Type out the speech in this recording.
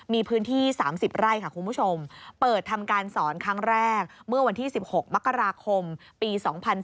มีพื้นที่๓๐ไร่ค่ะคุณผู้ชมเปิดทำการสอนครั้งแรกเมื่อวันที่๑๖มกราคมปี๒๔